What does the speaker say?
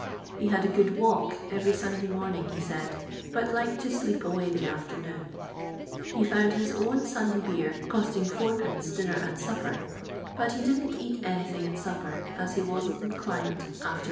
He had a good walk every Sunday morning, he said, but liked to sleep away the afternoon. He found his own Sunday beer, costing id. dinner and supper, but he didn't eat anything at supper, as he wasn't inclined after n.'